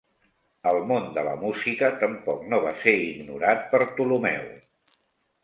El món de la música tampoc no va ser ignorat per Ptolemeu.